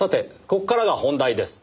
ここからが本題です。